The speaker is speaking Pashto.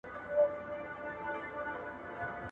تاسو له خپلو ګاونډیانو سره مشوره وکړئ.